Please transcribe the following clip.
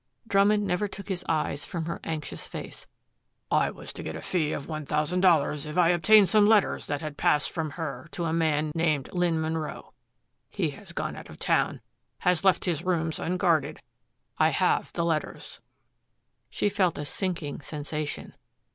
Drummond never took his eyes from her anxious face. "I was to get a fee of one thousand dollars if I obtained some letters that had passed from her to a man named Lynn Munro. He has gone out of town has left his rooms unguarded. I have the letters." She felt a sinking sensation.